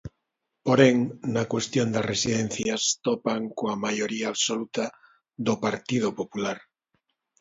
Porén, na cuestión das residencias topan coa maioría absoluta do Partido Popular.